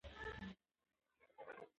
وارث څه وخت غولکه راواخیسته؟